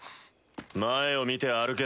前を見て歩け。